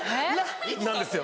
なんですよ。